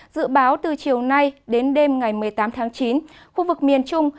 dự báo từ chiều nay đến đêm ngày một mươi tám tháng chín khu vực miền trung